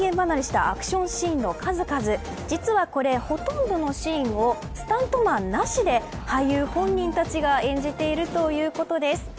さらに、人間離れしたアクションシーンの数々実は、これ、ほとんどのシーンをスタントマンなしで俳優本人たちが演じているということです。